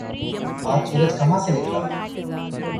آج سورج کہاں سے نکلا ہے